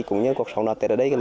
cũng như cuộc sống đoàn tết ở đây